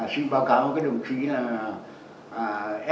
xin báo cáo với đồng chí là